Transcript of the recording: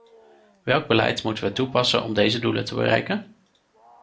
Welk beleid moeten we toepassen om deze doelen te bereiken?